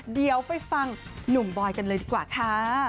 เดี๋ยวไปฟังหนุ่มบอยกันเลยดีกว่าค่ะ